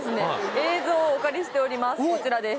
映像をお借りしております